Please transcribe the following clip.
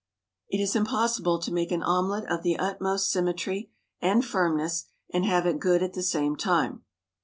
It is impossible to make an omelette of the utmost symmetry and firmness and have it good at the same time.